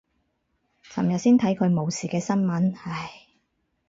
琴日先看他冇事新聞，唉。